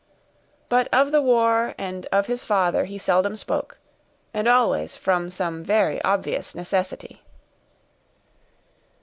But of the war, and of his father, he seldom spoke and always from some very obvious necessity.